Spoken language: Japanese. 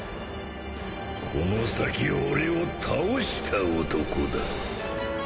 この先俺を倒した男だ